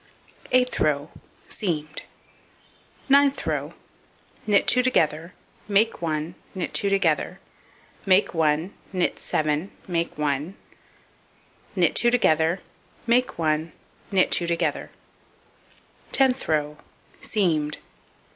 Eighth row: Seamed. Ninth row: Knit 2 together, make 1, knit 2 together, make 1, knit 7, make 1, knit 2 together, make 1, knit 2 together. Tenth row: Seamed.